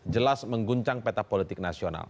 jelas mengguncang peta politik nasional